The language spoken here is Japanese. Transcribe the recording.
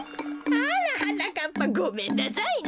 あらはなかっぱごめんなさいね。